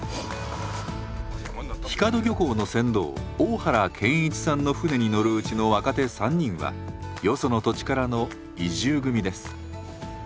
日門漁港の船頭大原謙一さんの船に乗るうちの若手３人はよその土地からの移住組です。